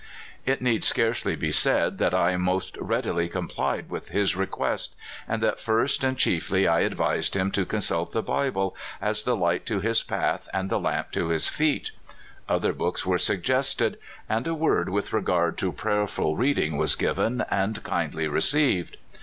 It need scarcely be said that I most readily complied with his request, and that first and chief ly I advised him to consult the Bible, as the light to his path and the lamp to his feet. Other books were suggested, and a word with regard to prayerful reading was given, and kindly received.